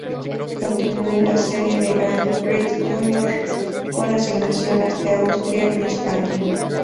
Continuó en la serie del Grand Prix Júnior con asignaciones en Austria y España.